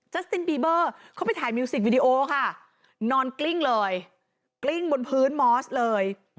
สตินบีเบอร์เขาไปถ่ายมิวสิกวิดีโอค่ะนอนกลิ้งเลยกลิ้งบนพื้นมอสเลย